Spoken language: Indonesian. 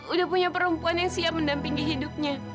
udah punya perempuan yang siap mendampingi hidupnya